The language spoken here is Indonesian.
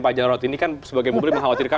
pak jarod ini kan sebagai publik mengkhawatirkan